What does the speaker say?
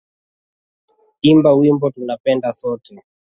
Imba wimbo tunapenda sote